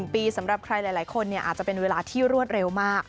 ๑ปีสำหรับใครหลายคนอาจจะเป็นเวลาที่รวดเร็วมาก